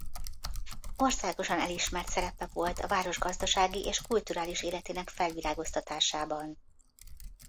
Országosan elismert szerepe volt a város gazdasági és kulturális életének felvirágoztatásában.